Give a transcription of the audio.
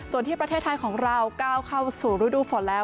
ส่วนที่ประเทศไทยของเราก้าวเข้าสู่ฤดูฝนแล้ว